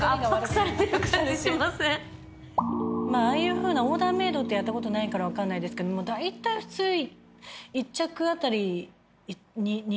ああいうふうなオーダーメードってやったことないから分かんないですけどだいたい普通。